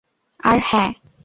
আর, হ্যা।